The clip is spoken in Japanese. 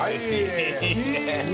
いいねえ！